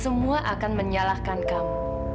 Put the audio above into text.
semua akan menyalahkan kamu